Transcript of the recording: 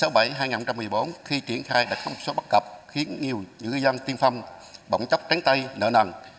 nghị định sáu mươi bảy hai nghìn một mươi bốn khi triển khai đã không số bắt gập khiến nhiều ngư dân tiên phong bỗng chốc tránh tay nợ nằn